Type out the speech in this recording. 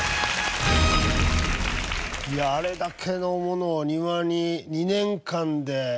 いやああれだけのものを庭に２年間で１００万円。